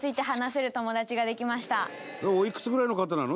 おいくつぐらいの方なの？